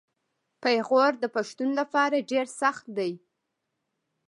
پېغور د پښتون لپاره ډیر سخت دی.